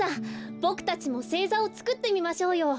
ボクたちもせいざをつくってみましょうよ。